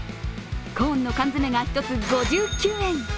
コーンの缶詰が１つ５９円。